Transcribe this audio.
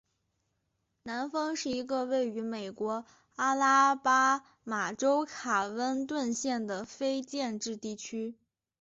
南方是一个位于美国阿拉巴马州卡温顿县的非建制地区。